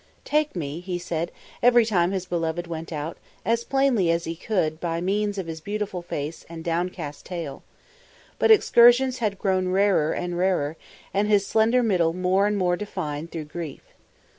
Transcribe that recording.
"Take me," he said, every time his beloved went out, as plainly as could be by means of his beautiful face and down cast tail. But excursions had grown rarer and rarer and his slender middle more and more defined through grief.